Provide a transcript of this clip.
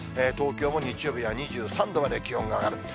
東京も日曜日は２３度まで気温が上がる。